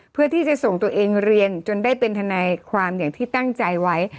เพื่อที่จะส่งตัวเองเรียนจนได้เป็นทนายความอย่างที่ตั้งใจไว้